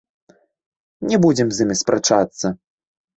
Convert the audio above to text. Не будзем з імі спрачацца.